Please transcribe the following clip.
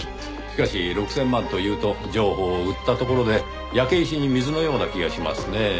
しかし６０００万というと情報を売ったところで焼け石に水のような気がしますねぇ。